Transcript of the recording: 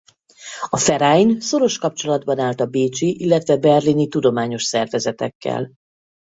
A Verein szoros kapcsolatban állt a bécsi illetve berlini tudományos szervezetekkel.